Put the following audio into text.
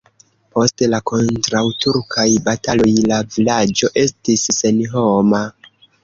Post la kontraŭturkaj bataloj la vilaĝo estis senhoma.